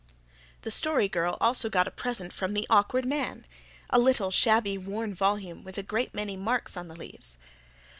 The Story Girl also got a present from the Awkward Man a little, shabby, worn volume with a great many marks on the leaves.